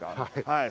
はい。